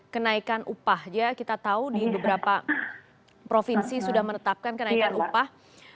kenaikan upah ya kita tahu di beberapa provinsi sudah menetapkan kenaikan upah